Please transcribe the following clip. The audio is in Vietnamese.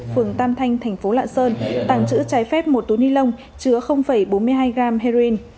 phường tam thanh thành phố lạng sơn tàng trữ trái phép một túi ni lông chứa bốn mươi hai g heroin